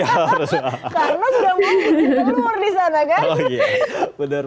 karena sudah mau bikin telur di sana kan